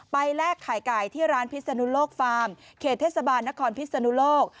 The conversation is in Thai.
แลกไข่ไก่ที่ร้านพิศนุโลกฟาร์มเขตเทศบาลนครพิศนุโลก